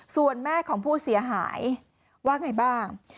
ส่วนแม่ของผู้เสียหายว่าไงบ้าง